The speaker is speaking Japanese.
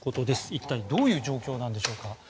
一体どういう状況なんでしょうか。